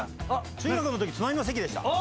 「中学の時隣の席でした」。